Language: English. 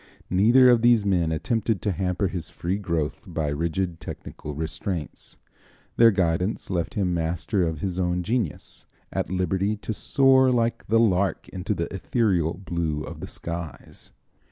Neither of these men attempted to hamper his free growth by rigid technical restraints. Their guidance left him master of his own genius, at liberty to "soar like the lark into the ethereal blue of the skies."